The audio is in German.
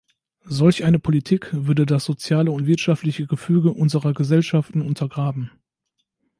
Solch eine Politik würde das soziale und wirtschaftliche Gefüge unserer Gesellschaften untergraben.